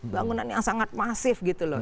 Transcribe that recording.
bangunan yang sangat masif gitu loh